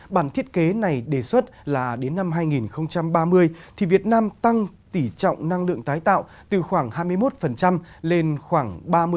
bản thiết kế này đề xuất là đến năm hai nghìn ba mươi thì việt nam tăng tỷ trọng năng lượng tái tạo từ khoảng hai mươi một lên khoảng ba mươi